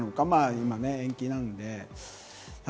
今、延期なので。